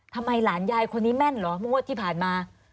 ต้องไปทึกแม่นเหรอที่ผ่านมา